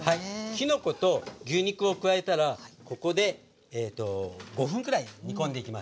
きのこと牛肉を加えたらここで５分くらい煮込んでいきます。